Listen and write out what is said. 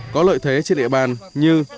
có lợi thế trên địa bàn như